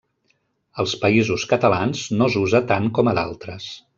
Als Països Catalans no s'usa tant com a d'altres.